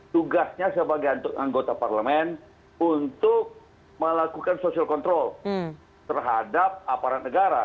tugasnya sebagai anggota parlemen untuk melakukan social control terhadap aparat negara